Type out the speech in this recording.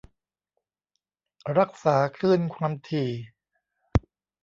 รักษาคลื่นความถี่